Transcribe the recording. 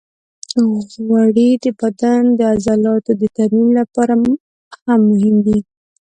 غوړې د بدن د عضلاتو د ترمیم لپاره هم مهمې دي.